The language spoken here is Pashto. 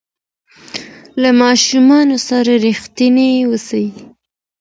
له ماشومانو سره رښتیني اوسئ.